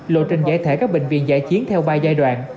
lộ trình giải thể các bệnh viện giải chiến theo ba giai đoạn